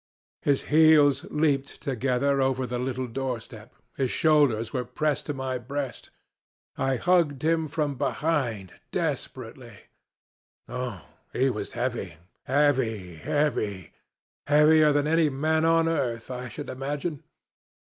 His heels leaped together over the little door step; his shoulders were pressed to my breast; I hugged him from behind desperately. Oh! he was heavy, heavy; heavier than any man on earth, I should imagine.